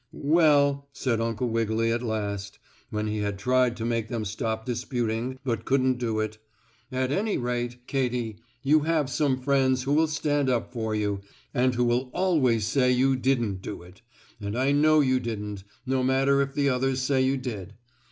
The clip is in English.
"Well," said Uncle Wiggily at last, when he had tried to make them stop disputing, but couldn't do it, "at any rate, Katy, you have some friends who will stand up for you, and who will always say you didn't do it, and I know you didn't, no matter if the others say you did.